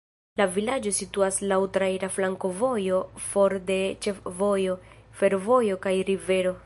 La vilaĝo situas laŭ traira flankovojo for de ĉefvojo, fervojo kaj rivero.